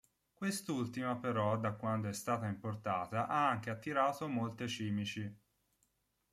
Quest'ultima però da quando è stata importata ha anche attirato molte cimici.